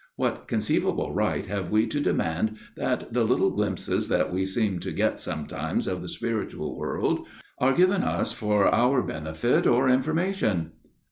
What conceivable right have we to demand that the little glimpses that we seem to get sometimes of the spiritual world are given us for our benefit or information